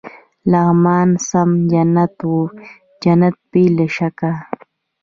لغمان سم جنت و، جنت بې له شکه.